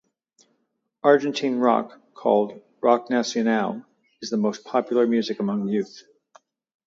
Argentine rock, called "rock nacional", is the most popular music among youth.